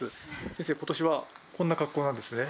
先生、ことしはこんな格好なんですね。